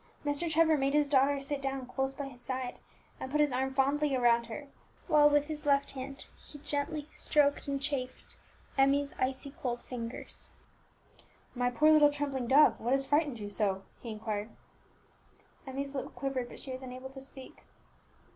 Mr. Trevor made his daughter sit down close by his side, and put his arm fondly around her, whilst with his left hand he gently stroked and chafed Emmie's icy cold fingers. "My poor little trembling dove, what has frightened you so?" he inquired. Emmie's lip quivered, but she was unable to speak.